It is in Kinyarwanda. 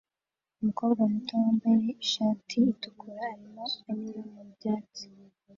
Umukobwa muto wambaye ishati itukura arimo anyura mu byatsi